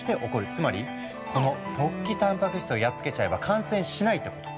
つまりこの突起たんぱく質をやっつけちゃえば感染しないってこと。